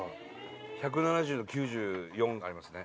１７０の９４ありますね。